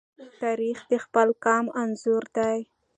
تاریخ د خپل قام انځور دی.